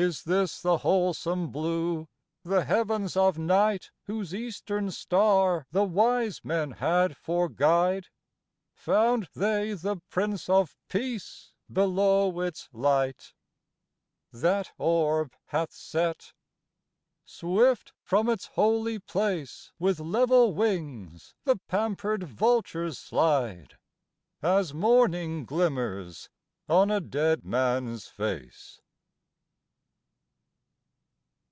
Is this the wholesome blue, the heavens of night Whose eastern star the wise men had for guide? Found they the Prince of Peace below its light? That orb hath set. Swift from its holy place With level wings the pampered vultures slide, As morning glimmers on a dead man s face.